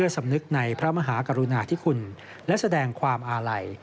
สำนึกในพระมหากรุณาธิคุณและแสดงความอาลัย